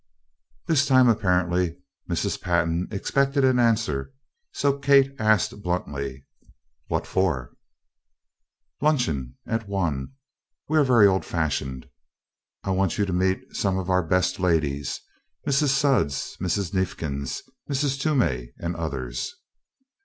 This time, apparently, Mrs. Pantin expected an answer, so Kate asked bluntly: "What for?" "Luncheon. At one we are very old fashioned. I want you to meet some of our best ladies Mrs. Sudds Mrs. Neifkins Mrs. Toomey and others."